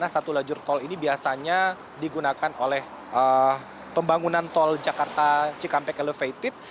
satu lajur tol ini biasanya digunakan oleh pembangunan tol jakarta cikampek elevated